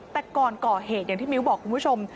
แต่ก่อนก่อเหตุอย่างที่มิ้วบอกคุณผู้ชม